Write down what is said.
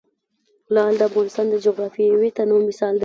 لعل د افغانستان د جغرافیوي تنوع مثال دی.